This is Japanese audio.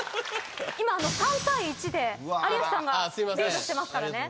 今３対１で有吉さんがリードしてますからね。